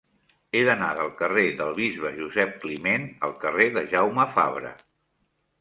He d'anar del carrer del Bisbe Josep Climent al carrer de Jaume Fabre.